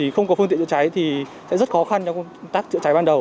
phương tiện chữa cháy thì sẽ rất khó khăn cho công tác chữa cháy ban đầu